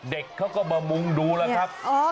เด็กเขาก็มามุงดูแล้วครับ